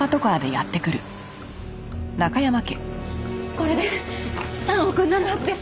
これで３億になるはずです。